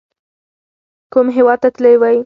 کوم هیواد ته تللي وئ؟